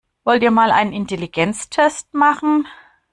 Wollt ihr mal einen Intelligenztest machen?